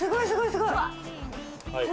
すごい！